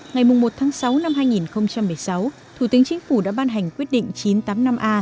ngày một sáu hai nghìn một mươi sáu thủ tướng chính phủ đã ban hành quyết định chín trăm tám mươi năm a